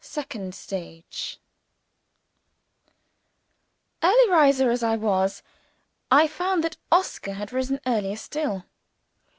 Second Stage EARLY riser as I was, I found that Oscar had risen earlier still.